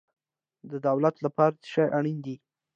د دولت لپاره څه شی اړین دی؟